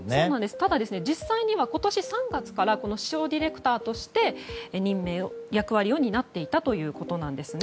ただ実際には今年３月からショーディレクターとして役割を担っていたということなんですね。